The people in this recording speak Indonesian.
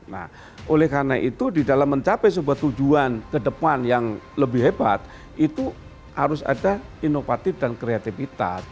nah oleh karena itu di dalam mencapai sebuah tujuan ke depan yang lebih hebat itu harus ada inovatif dan kreativitas